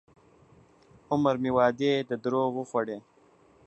عُمر مي وعدو د دروغ وخوړی